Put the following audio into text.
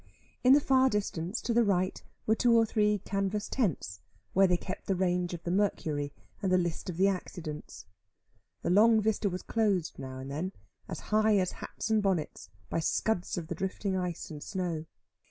In the far distance, to the right, were two or three canvas tents, where they kept the range of the mercury, and the list of the accidents. The long vista was closed now and then, as high as hats and bonnets, by scuds of the drifting ice and snow.